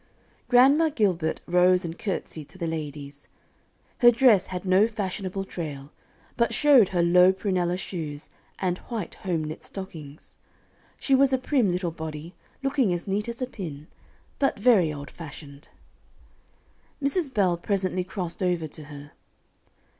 Grandma Gilbert rose and courtesied to the ladies. Her dress had no fashionable trail, but showed her low prunella shoes and white, home knit stockings. She was a prim little body, looking as neat as a pin, but very old fashioned. Mrs. Bell presently crossed over to her.